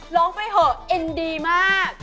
ร้องไปเถอะเอ็นดีมาก